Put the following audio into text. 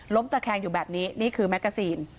ตะแคงอยู่แบบนี้นี่คือแมกกาซีน